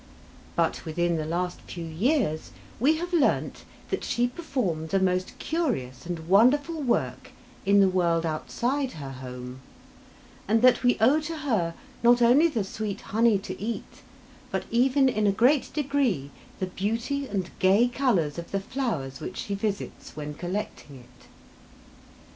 But within the last few years we have learnt that she performs a most curious and wonderful work in the world outside her home and that we owe to her not only the sweet honey to eat, but even in a great degree the beauty and gay colours of the flowers which she visits when collecting it.